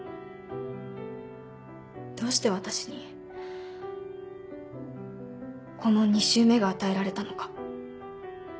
どうして私にこの２周目が与えられたのか。